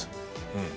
うん。